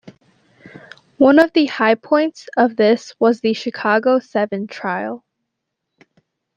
One of the high points of this was the Chicago Seven trial.